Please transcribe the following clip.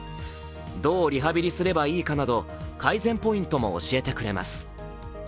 どうリハビリをすればいいかなど改善点も解析してくれます。